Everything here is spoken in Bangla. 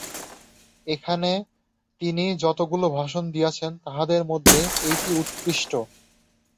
এখানে তিনি যতগুলি ভাষণ দিয়াছেন, তাহাদের মধ্যে এইটি উৎকৃষ্ট।